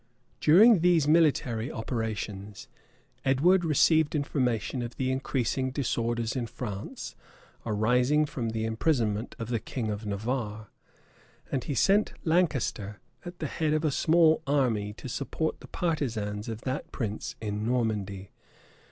During these military operations, Edward received information of the increasing disorders in France, arising from the imprisonment of the king of Navarre; and he sent Lancaster at the head of a small army, to support the partisans of that prince in Normandy.